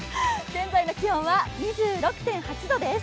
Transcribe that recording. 現在の気温は２６．８度です。